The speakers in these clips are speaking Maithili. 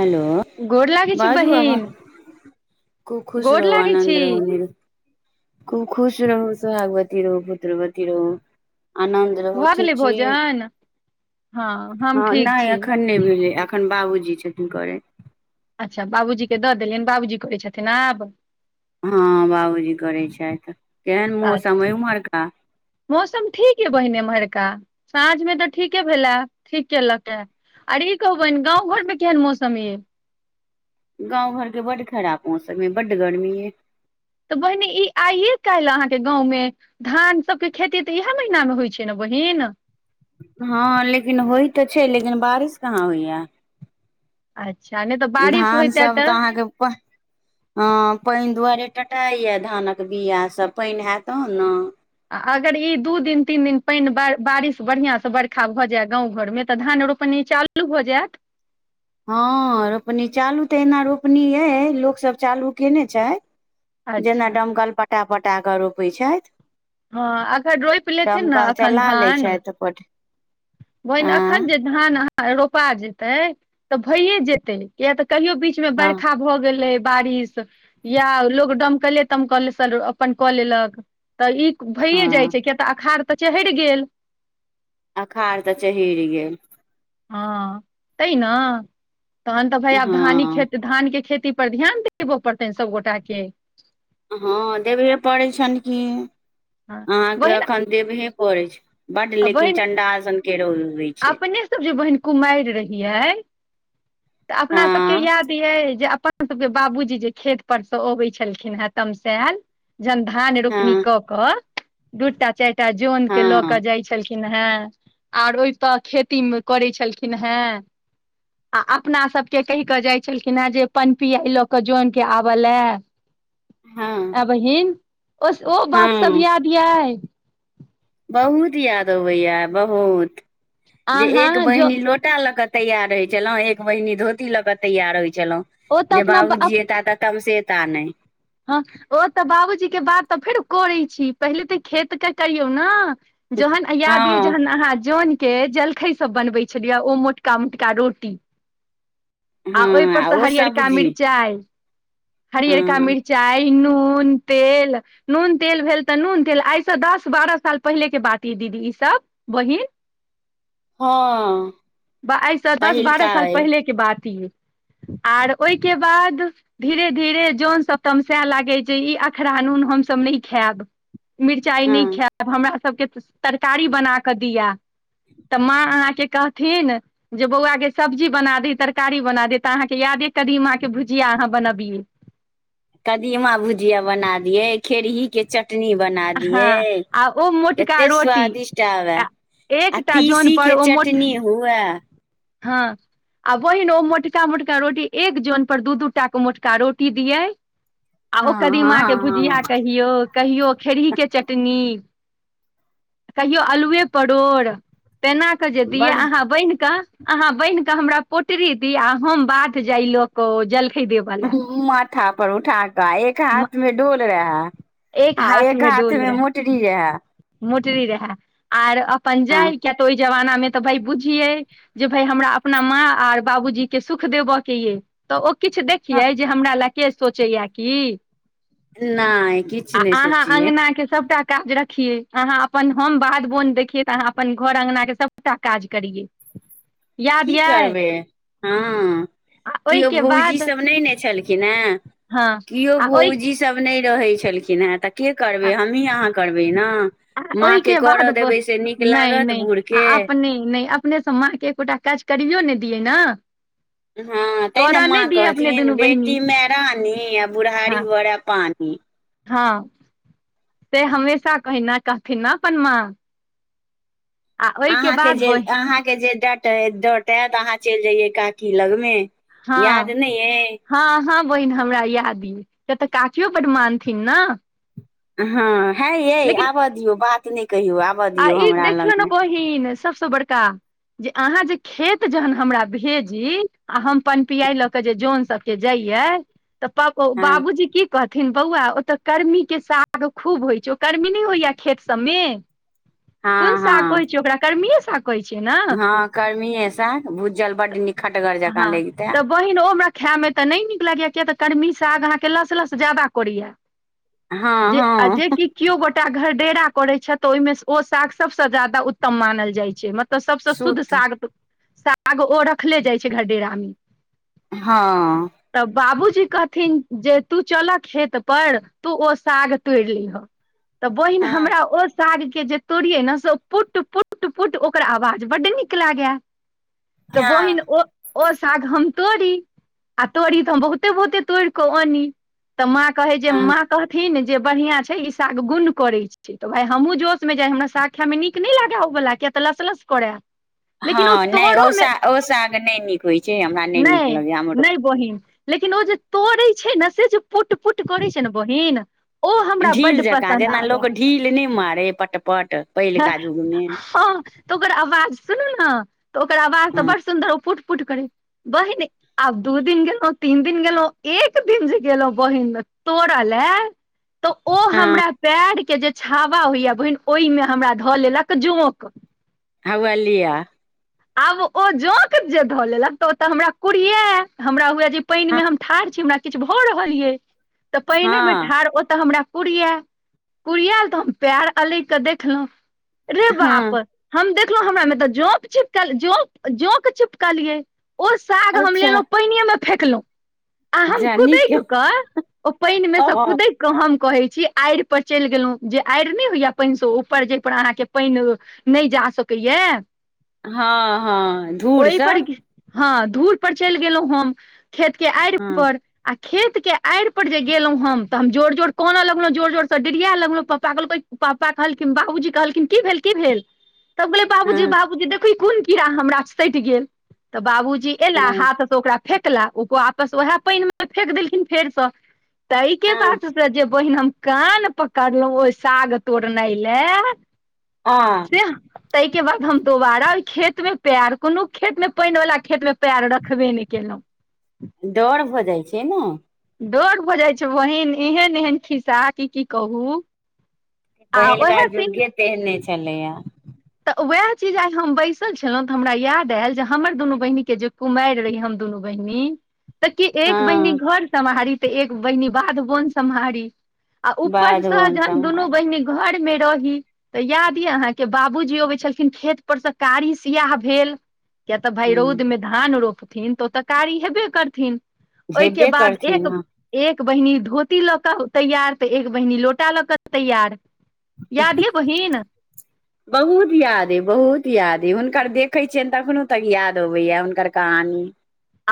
हेलो गोर लागै छी बाजु आब बहिन खूब खुश गोर रहो लागै छी आनन्द रहू खूब खुश रहु सोहाग बति रहु पुत्र बति रहु आनन्द रहुँ भऽ ठीक गेलै छी भोजन हँ हम हँ ठीक न छी एखन नहि भैलय हन अखन बाबूजी छथिन करैत अच्छा बाबूजीके दऽ देलियअनि बाबूजी करै छथिन आब हँ बाबूजी करै छथि केहन आ मौसम है ओम्हरका मौसम ठीक ह बहिने एम्हरिका साँझमे तऽ ठीके भेलए ठीक केलक हय और ई कहू बहिन गाँव घर में केहन मौसम य गाँंव घर के बड खराब मौसम य बड गर्मी ये तऽ बहिने ई आइये काल्हि अहाँके गाँवमे धान सभके खेती त इएह महिना मे होइ छै न बहिन हँ लेकिन होइ त छै लेकिन बारिश कहाँ होइय अच्छा नहि तऽ बारिश होइते धानसभ तऽ अहाँके हँ पानि दुआरे टटाइ या धानक बीया सब पानि हयत तहन न आ अगर ई दू दिन तीन दिन पानि बारिश बढ़िया से बरखा भ जाय गाँव घर में त धान रोपनी चालू भाए जायत हँ रोपनी चालू त एना रोपनी अइ लोक सँ चालू कयने छै जेना अच्छा डमकल पटा पटा क रोपे छैथि हँ अखन रोपि लेथिन ने दमकल अखन चला लै धान छै तपट बहिन अखन जे धान रोपा जेते त भये जेते किया त कहियो बीच में हँ बरखा भ गेलै बारिश या लोक डमकले तमकल सर अपन क लेलक त ई भइए जाइ हँ छै किया तऽ अखाड़ तऽ चहैढ़ गेल अखार त चहिर गेल हँ तै न तहन त भैय धानी हँ खेत धान के खेती पर ध्यान देबय पड़तनि सभगोटा के हँ देबहे पड़ै छनि कि हँ अहाँके बहिन एखन देबहे पड़ै छै बड लेकिन बहिन चंडाल सन के रौद उगय छै अपने बहिन कुमाईर रहिये तऽ अपना सबके हँ याद ये जे पना सभके बाबूजी जे खेत परसँ अबै छलखिन है तमसाएल जहन धान रोपनी हँ क क दूटा चाएटा जन हँ के ल क ऽ जाइत छलखिन हें आर ओहिपऽ खेतीमे करै छलखिन हेँ आ अपना सबके कहि क जाय छलखिन हे जे पन पीयाई लऽ क जन के आबलए हँ आं बहिन ओ ओ बात सब हँ याद याई बहुत याद अबै या बहुत जे एक अहाँ जो बहिनी लोट टा लऽ क तैयार होइ छलहुं एक बहनी धोती लऽ क तैयार होइ छलहुँ ओ तऽ जे बाबुजी अपना येता त तमसेएता नै हँ ओ त बाबूजी के बात त फेर करै छी पहिले त खेतके करियौ न जोहन याद यौ हँ जहन अहाँ जौन के जलखै सब बनबै छलिय ओ मोटका मोटका रोटी आ हँ ओयपरसँ ओ हरिअरका सब्जी मिर्चाइ हँ हरियर का मिरचाइ नून तेल नून तेल भेल तऽ नून तेल आइसँ दस बारह साल पहिलेके बात य दीदी ईसभ बहिन हँ ब आइसँ दस बारह पहिलका साल अइ पहिले के बात ई आर ओहिके बाद धीरे धीरे जोन सब तम सए लागै छै जे ई अखरा नून हमसभ नहि खायब मिरचाइ नहि हँ खायब हमरासभके तरकारी बना कऽ दिअ तऽ माँ अहाँके कहथिन जे बौआके सब्जी बना दिहए तरकारी बना दिहै तऽ अहाँके याद यैजे कदीमा अहाँ भुजिया अहाँ बनबियै कदीमा भुजिया बना दियै खेरहीके चट चटनी बना हँ दिये आ ओ मोटका कते रोटी स्वादिष्ट आबे आ एकटा जन तीसी पर के ओ मोट चटनी हुए हँ आ बहिन ओ मोटका मोटका रोटी एक जोन पर दू दू टा क मोटका रोटी दियै आ हँ ओ हँ कदीमाके भुजिया हँ कहियौ कहियौ खेरहीके चटनी कहियौ अल्लुए परोड़ तेना कऽ जे दिय बड़ अहाँ बान्हि कऽ अहाँ बान्हि क हमरा पोटरी दी आ हम बाध जाइ लऽ क ओ जलखै देब वला माथा पर उठा कऽ एक हाथ मे डोल रहै आ एक हाथ मे मु कटी रहय मोटरी रहै आ अपन हँ जाइ किया तऽ ओहि जमानामे तऽ भाय बुझियै जे भाय हमरा अपना माँ आर बाबूजीके सुख देबऽके यइ तऽ ओ किछु हँ, देखियै जे हमरा लए के सोचैए कि नहि किछु आ नहि अहाँ सोचियै अगना सभटा काज रखिय अहाँ अपन हम बाध बोन देखियै तऽ अहाँ अपन घर अङ्गनाके सभटा काज करियै याद की यऽ करबै हँ आ किओ ओहिके भौजी बाद सब नहि ने छलखिन हेँ हँ किओ आ ओहि भौजी सभ नहि रहै छलखिन हेँ तऽ के आ करबै हमही अहाँ करबै नऽ माँके ओहिके बाद करऽ देबै से नीक नहि लागत आ बूढ़के अपने नहि नहि अपनेसँ माँ के एकोटा काज करियो नऽ दियै नऽ हँ तै नऽ माँ अपने कहथिन दुनू बहिनी बेटीमे रानी आ हँ बुढ़ारी भरै पानी हँ से हमेशा कहै नऽ कहथिन नऽ अपन माँ आ ओहिके अहाँके बाद जे बहि अहाँके जे डाँटै डाँटे तऽ अहाँ चलि जइये काकी लगमे याद हँ नहि अइ हँ हँ बहिन हमरा याद यऽ सेऽ तऽ कफियो बड्ड मानथिन नऽ हँ है य आबऽ दियौ बात नहि कहियौ आबऽ दियौ हमरा लगमे [unintelligible] सबसँ बड़का जे अहाँ जे खेत जहन हमरा भेजी आ हम पन पियाई ल कऽ जे जन सब जे जइयै तऽ प ओ हँ बाबूजी की कहथिन बौआ ओतऽ कर्मी के साग खूब होइ छै ओ कर्मी नहि होइ यऽ खेत सभमे कोन हँ साग हँ कहै छियै ओकरा कर्मीए साग कहै छियै नऽ हँ कर्मीए साग भूजल बड्ड नीक खटगर जकाँ हँ लगितै तऽ बहिन ओ हमरा खाइमे तऽ नहि नीक लगैए किया तऽ कर्मी साग आग अहाँके लस लस ज्यादा करै य हँ जे आ हँ जेकि केओ गोटा घर डेरा करै छथिऽ ओहिमे ओ साग सबसे जादा उत्तम मानल जाय छै मतलब सबस शुद्ध साग साग साग ओ रखले जाइत छै घर डेरा मे हँ तऽ बाबूजी कहथिन जे तू चलह खेत पर तू ओ साग तोड़ि लिहऽ तऽ बहिन हँ हमरा ओ सागके जे तोड़िये ने से पुट पुट पुट ओकर आवाज बड्ड नीक लागे त बहिन हँ ओ ओ साग हम तोड़ी आ तोड़ी तऽ हम बहुते बहुते तोड़ि कऽ अनी तऽ माँ कहै जे हँ माँ कहथिन जे बढ़िआँ छै ई साग गुण करैत छै तऽ भाय हमहूँ जो जोस मे जाय हमरा साग खे मे नीक नहि लागे ओ वला किया तऽ लस लस करै हँ नहि ओ साग ओ साग नहि नीक होइ छै हमरा नहि नीक लगैए हमरो बहिन लेकिन ओ जे तोड़ै छै न से जे फुट फुट करै छै न बहिन ओ हमरा बड्ड पसन्द आबेय ढ़िल नै मारे पट पट हँ पहिलका युगमे तऽ ओकर आवाज सुनू नऽ तऽ ओकर आवाज तऽ हँ बड़ सुन्दर ओ पुट पुट करै बहिन आब दू दिन गेलहु तीन दिन गेलहु एक दिन जे गेलहु बहिन तोड़ऽ लेऽ तऽ ओ हँ हमरा पेर के जे छावा होइ यऽ बहिन ओहिमे हमरा धऽ लेलक जोंक होवा लियऽ आब ओ जोंक जे धऽ लेलक तऽ ओतऽ हमरा कड़िये हमरा हुए जे हँ पाइनमे हम ठार छी हमरा किछु भऽ रहल ये तऽ पाइने मे हँ ठाढ़ ओतऽ हमरा कुरिया कुरियाल तऽ हम पैर अलैग कऽ देखलहुँ रे बाप हँ हम देखलहुँ हमरा मे तऽ जोक चिपकल जोक जोक चुपकलियै ओ साग हम अच्छा लेलहुँ पानिएमे फेकलहुँ आ हम जा नीक कुदेक कऽ ओ पानि मे सँ केलौं कुदेक हम कहे छी आड़ि पर चलि गेलहुँ जे आड़ि नहि होइया पैन से ऊपर जा पर अहाँके पैन नहि जा सकैया हँ हँ धूर ओहि पर सब हँ धूर पर चलि गेलहुँ हम खेत के आड़ि हँ पर आ खेत के आड़ि पर जे गेलहुँ हम तऽ हम जोर जोर कनऽगलहुँ जोर जोरसँ डिरिया लगलहुँ पप्पा कहलै पप्पा कहलखिन बाबूजी कहलखिन की भेल की भेल तब कहलिए बाबूजी हँ बाबूजी देखू न कोन कीड़ा हमरा म सेट गेल बाबूजी एला हँ हाथ स ओकरा फेकला ओ आपस ओएह पानि मे फेक देलखिन फेरसँ ताहि के हँ बाद से जे बहिन हम कान पकड़लहुँ ओहि साग तोड़ना लय आ से ताहि के बाद हम दोबारा ओहि खेत में प्यार कोनो खेत मे पानि वाला खेत में पैर रखबे नहि केलहुॅं डर भऽ जाइ छै न डर भऽ जाइ छै बहिन एहन एहन खिस्सा की की कहू आ उएह पहिलका दिन जुगे तेहने छलैया तऽ वएह चीज आइ हम बैसल छलहुँं तऽ हमरा याद आयल जे हमर दुनू बहिन के जे कुमारि रही हम दुनू बहिनी तऽ की एक बहिनी हँ घर सम्हारी तऽ एक बहिनी बाध बन सम्हारी आ बाध ऊपरसँ बन जहन दुनू सम्हार बहिनी घर मे रही तऽ याद य अहाँके बाबूजी अबै छलखिन खेत पर से कारी सियाह भेल कियाकि भाय रौद हँ मे धान रोपथिन तऽ ओ तऽ कारी हेबे करथिन ओहिके झेबे बाद करथिन एक हँ एक बहिनी धोती लऽ कऽ तैयार तऽ एक बहिनी लोटा लऽ कऽ तैयार याद य बहीन बहुत याद अ बहुत याद अ हुनकर देखैत छियनि तखनो तक याद अबैया हुनकर कहानी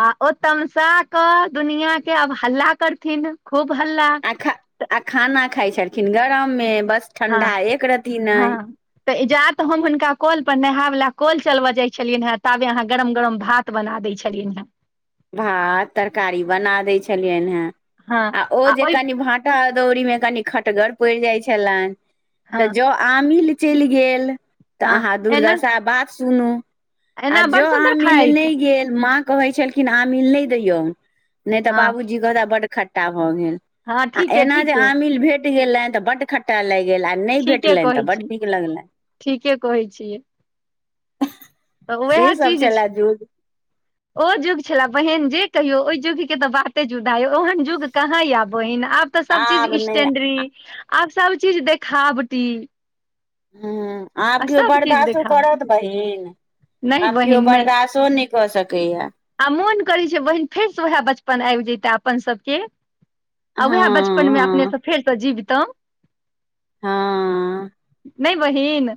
आ ओ तमसा कऽ दुनिया के आब हल्ला करथिन खूब हल्ला आ खा आ खाना खााय छलखिन गरमे बस हँ ठंडा एक रहती ने हँ तऽ इजात हम हुनका कल पर नहाय वालला कल चलबा जाय छलियनि हे ताबे अहाँ गरम गरम भात बना दै छलियै हेँ भात तरकारी बना दै छलियनि हेँ हँ आ ओ जे ओहि कनि भात भठा अदौड़ी मे कनि खटगर पड़ि जाइ छलनि तऽ हँ ज आमिल चलि गेल तऽ हँ अहाँ एना दुर्दशा बात सुनू आ एना जँ बड़ अहाँ सुन्दर मिल खाइत नहि गेल माँ कहै छलखिन आमिल नहि दैयऔ नहि तऽ हँ बाबूजी कहता बड खट्टा भऽ गेल हँ आ ठीके एना जे ठीके आमिल भेट गेलहनि तऽ बड खट्टा लागि गेल आ नहि ठीके भेटलनि तऽ कहै बड्ड छी नीक लगलनि ठीके कहै छियै तऽ से उएह सब चीज छलाय छै जुग ओ जुग छललाै बहिन जे कहियौ ओहि जुगके तऽ बाते जुदा य ओहन जुग कहाँ यए बहिन आब तऽ सब चीज आब नहि स्टेंड्ररी आब सब चीज देखावटी ह आब आ केओ सब चीज बर्दाश्तो देखावटी करत बहिन नहि आब केओ बहिन नहि बर्दाश्तो नहि कऽ सकैया आ मोन करैत छै बहिन फेरसँ उएह बचपन आबि जयता अपन सभके आ हँ उएह बचपनमे हँ अपनेसँ फेरसँ जीवितहुँ हँ नहि बहिन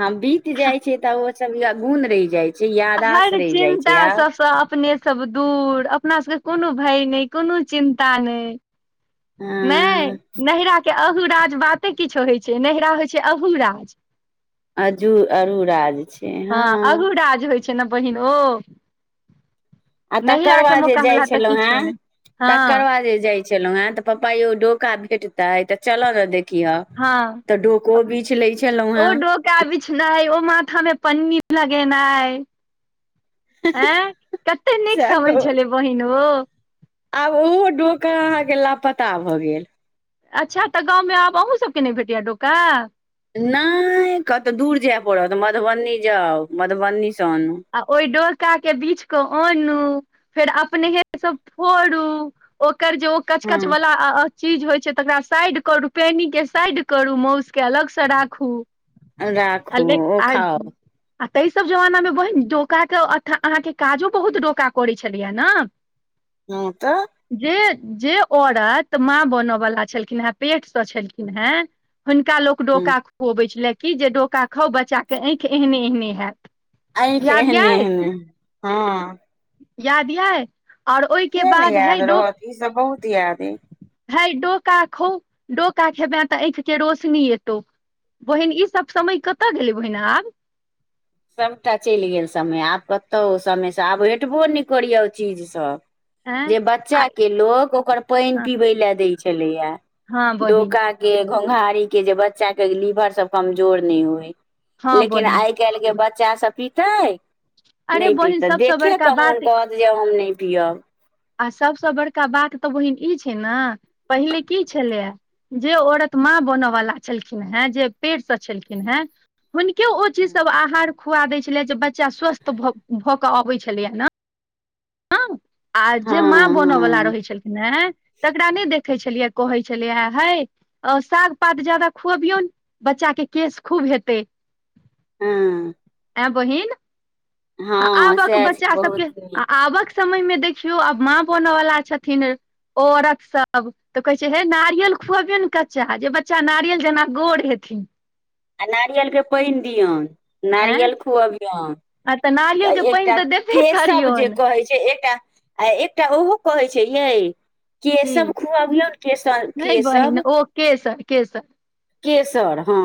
हॅं, बीत जाय छै तऽ ओ सब गुण रहि जाय छै यादाश हर रहि जाइ चिन्ता छै आब सबसँ अपने सब दूर अपना सबके कोनो भय ने कोनो चिन्ता नहि! नहि, हँ नहिरा के अहुराज बाते किछो होइ छै, नैहरा होइ छै अहूराज! अजु अजुराज छै, हँ अहूराज होइ छै ना बहिन ओ आ तकर नैहरा के बाद जे जाइ मोकाबला तऽ किछो छलहुँहें, नहि तकर हँ बाद जे जाइ छलहु हें तऽ पप्पा यौ डोका भेटतै? तऽ चलऽ ने देखिह हँ तऽ डोको बीछि लैत छलौं हेँ टा [unintelligible] बिछनाइ ओ माथामे पन्नी लगेनाइ ऐं कते नीक सएह समय कहू छलै बहिन ओ! आब ओहो डोका अहाँके लापता भऽ गेल अच्छा तऽ गाँवमे आब अहूँ सबके नहि भेटैया डोका? नहि कतहु दूर जाय पड़त मधुबनी जाउ, मधुबनीसँ आनू आ ओहि डोका के बीछि कऽ आनू फेर अपनेहेसॅं फोड़ू, ओकर जे ओ हँ कच-कचवला चीज होइ छै तकरा साइड करू, पेनीके साइड करू माउसके अलगसॅं राखू राखू ओ आक खाउ आ ता सब जमानामे बत [unintelligible] डोकाके अहाँके काजो बहुत डोका करै छलियया ने! हॅं, तॅं जे जे औरत माँ बनयवला छलखिन हेँ, पेटसँ छलखिनहेँ हुनका लोक हँ डोका खुअबैत छलै कि जे डोका खाउ बच्चाके आँखि एहने-एहने हैत आँखि याद याइ एहने-एहने, हँ याद य और ओहिके किया ने बाद हइ याद डो रहत ई सब बहुत याद हए हइ, डोका खो, डोका खेबै तऽ आँखिके रोशनी एतौ बहिन ई सब समय कतय गेलै बहिन आब? सभटा चलि गेल समय आब कतहु ओ समयसँ आब भेटबो नहि करैए ओ चीज सभ। एं जे आ बच्चाके लोक ओकर पानि हँ पीबै लए दै छलैया हँ बहिन डोका के घुँघारी के, जे बच्चाके लीवर सब कमजोर नहि होय हँ लेकिन बहिन आइ काल्हि बच्चा सब पीतै? अरे नहि बहिन पीतै, सबसँ देखे बड़का कऽ बात मोन कहत जेब हम नहि पियब आ सभसँ बड़का बात तऽ बहिन ई छै ने, पहिले की छलै जे औरत माँ बनय वला छलखिनहेँ, जे पेटसँ छलखिनहेँ हुनके ओ चीज सभ आहार खुआ दैत छलै जे बच्चा स्वस्थ भऽ कऽ अबैत छलैय ने! हँ, आ जे माँ हँ बनऽवला हँ रहैत छलखिन ने तकरा नहि देखै छलियै कहै छलिय हइ! आओ साग पात ज्यादा खुअबियौन, बच्चाके केश खूब हेतै। हँ ऐं बहिन आ हँ आबक सएह छै बच्चा सबके, बहुत आ आबक समयमे देखियौ आब माँ बनवला छथिनहे औरत सभ तऽ कहै छै हे नारियल खुएबियौन कच्चा जे बच्चा नारियल जेना गोर हेथिन! आ नारियलके पैन दियौन ऐं नारियल आ तऽ खुअबियौं नारियलके पानि एकटा तऽ देबे केशव जे करियौन कहै छै एकटा आ एकटा ओहो कहै छै ये की केशव खुआबियौ केशव नहि बहिन केशव ओ केसर केसर केसर हँ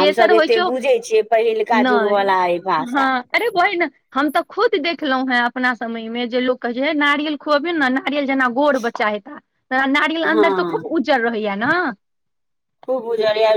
हमसभ होइ एते छै बुझै छियै पहिलका नहि जुगवाला अ भाषा हँ अरे भहि ने हम तऽ खुद देखलहुं हें अपना समय मे जे लोक कहै छै हे नारियल खुअबियौ ने नारियल जेना गोर बच्चा हेता नारियल हँ अन्दर सऽ खूब उज्जर रहैया ने खूब बुझया